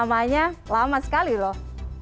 namanya lama sekali loh